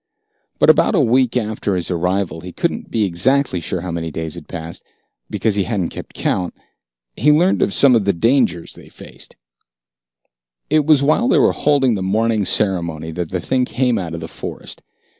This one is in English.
But about a week after his arrival he couldn't be sure exactly how many days had passed, because he hadn't kept count he learned of some of the dangers they faced. It was while they were holding the morning ceremony that the thing came out of the forest.